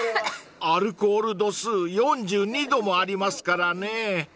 ［アルコール度数４２度もありますからね］